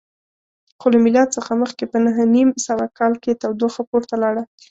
خو له میلاد څخه مخکې په نهه نیم سوه کال کې تودوخه پورته لاړه